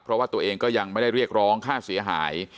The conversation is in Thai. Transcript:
เพราะว่าตัวเองก็ยังไม่ได้เรียกร้องค่าเสียหาย